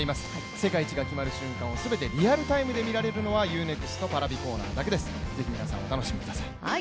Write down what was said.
世界一が決まる瞬間を全てリアルタイムで見られるのはＵ−ＮＥＸＴＰａｒａｖｉコーナーだけです、是非皆さんお楽しみください。